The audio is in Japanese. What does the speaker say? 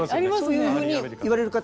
そういうふうに言われる方